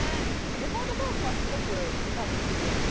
レポートトークはすごく浮かぶんですよ